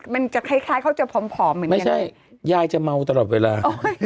มันจะคล้ายคล้ายเข้าเจอพร้อมพร้อมเหมือนกันไม่ใช่ยายจะเมาตลอดเวลา